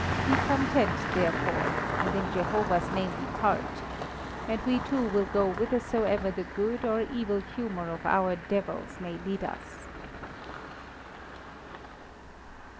Be content, therefore, and in Jehovah's name depart, and we too will go whithersoever the good or evil humour of our devils may lead us."